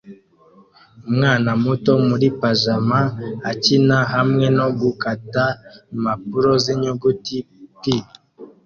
Umwana muto muri pajama akina hamwe no gukata impapuro zinyuguti "P"